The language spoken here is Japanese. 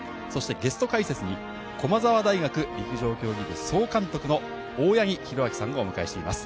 ゲスト解説に駒澤大学陸上競技部総監督の大八木弘明さんをお迎えしています。